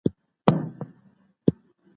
د څېړني په مرسته څنګه د انسانانو پوهه پراخیږي؟